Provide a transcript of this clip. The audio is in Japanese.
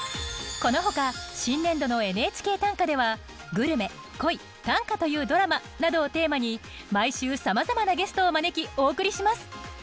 このほか新年度の「ＮＨＫ短歌」では「グルメ」「恋」「短歌というドラマ」などをテーマに毎週さまざまなゲストを招きお送りします。